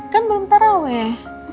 kan belum tarawih